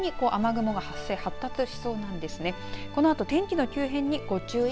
急に雨雲が発生発達しそうなんですね。